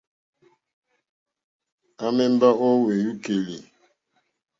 À mèmbá ó hwìúkèlì.